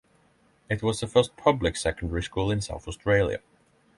It was the first public secondary school in South Australia.